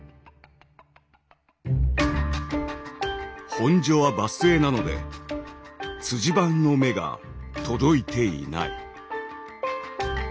「本所は場末なので番の目が届いていない」。